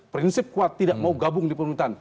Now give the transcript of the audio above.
prinsip kuat tidak mau gabung di pemerintahan